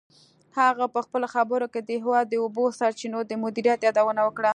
هغه په خپلو خبرو کې د هېواد د اوبو سرچینو د مدیریت یادونه وکړه.